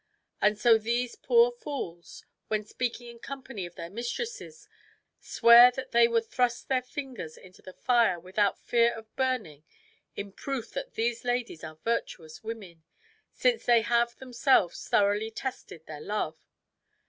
And so these poor fools, when speaking in company of their mistresses, swear that they would thrust their fingers into the fire without fear of burning in proof that these ladies are virtuous women, since they have themselves thoroughly tested their love.